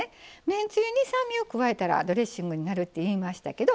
梅干しに酸味を加えたらドレッシングになるって言いましたけど